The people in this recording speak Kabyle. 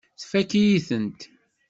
Tfakk-iyi-tent.